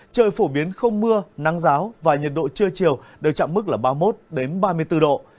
trời phổ biến không mưa nắng giáo và nhiệt độ trưa chiều đều chạm mức là ba mươi một ba mươi bốn độ